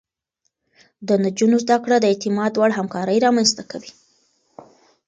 د نجونو زده کړه د اعتماد وړ همکاري رامنځته کوي.